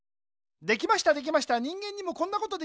できましたできました人間にもこんなことできました。